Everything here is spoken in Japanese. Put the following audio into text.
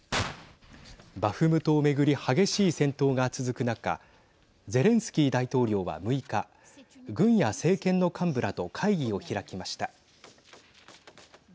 バフムトを巡り激しい戦闘が続く中ゼレンスキー大統領は６日軍や政権の幹部らと会議を開きました。